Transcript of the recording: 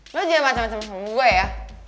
lo jangan macem macem sama gue ya